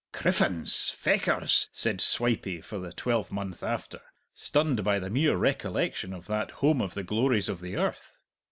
"Criffens! Fechars!" said Swipey for a twelvemonth after, stunned by the mere recollection of that home of the glories of the earth.